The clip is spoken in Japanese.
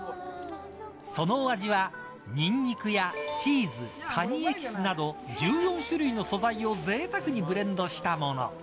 その味はニンニクやチーズカニエキスなど１４種類の素材をぜいたくにブレンドしたもの。